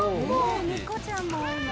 猫ちゃんも多いの？